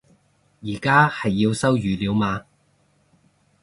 而家係要收語料嘛